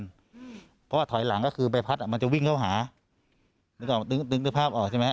เพราะว่าถอยหลังก็คือใบพัดอ่ะมันจะวิ่งเข้าหานึกออกตึงตึงนึกภาพออกใช่ไหมฮ